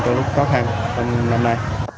trong lúc khó khăn năm nay